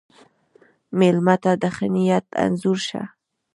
مېلمه ته د ښه نیت انځور شه.